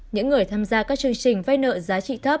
những người tham gia các chương trình vay nợ giá trị thấp